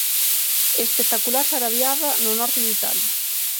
Espectacular sarabiada no norte de Italia.